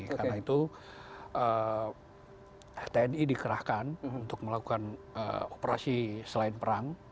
karena itu tni dikerahkan untuk melakukan operasi selain perang